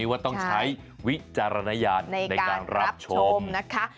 ว่าต้องใช้วิจารณญาณในการรับชมนะคะ